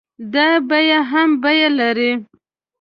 دا بيه هم بيه لري.